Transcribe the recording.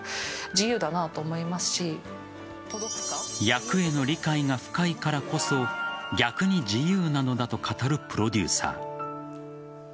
役への理解が深いからこそ逆に自由なのだと語るプロデューサー。